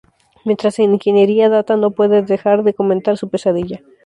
Mientras, en ingeniería, Data no puede dejar de comentar su pesadilla.